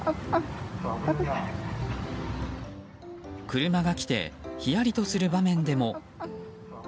車が来てヒヤリとする場面でも。